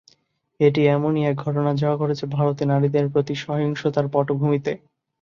এটি এমনই এক ঘটনা যা ঘটেছে ভারতে নারীদের প্রতি সহিংসতার পটভূমিতে।